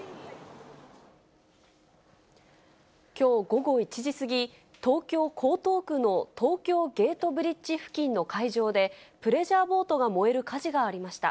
きょう午後１時過ぎ、東京・江東区の東京ゲートブリッジ付近の海上で、プレジャーボートが燃える火事がありました。